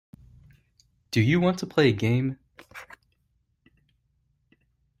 Do you want to play a game?